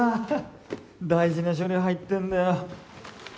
大事な書類入ってんだよっ。